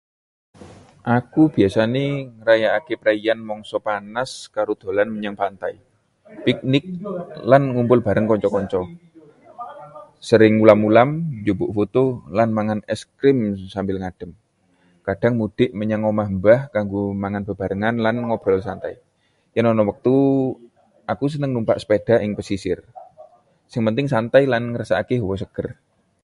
Aku biasane ngrayakake preian mangsa panas karo dolan menyang pantai, piknik, lan ngumpul bareng kanca-kanca. Sering ulam-ulan, njupuk foto, lan mangan es krim sambil ngadem. Kadhang mudik menyang omah mbah kanggo mangan bebarengan lan ngobrol santai. Yen ana wektu, aku seneng numpak sepedha ing pesisir. sing penting santai lan ngrasakake hawa seger.